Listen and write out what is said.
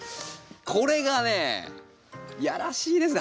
これがねやらしいですね。